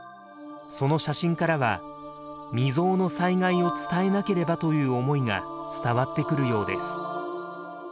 その写真からは未曽有の災害を伝えなければという思いが伝わってくるようです。